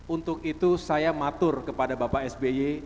untuk itu saya matur kepada bapak sby